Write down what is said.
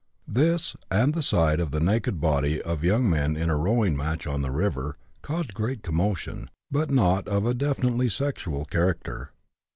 This, and the sight of the naked body of young men in a rowing match on the river, caused great commotion, but not of a definitely sexual character.